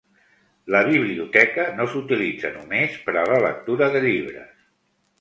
La Biblioteca no s'utilitza només per a la lectura de llibres.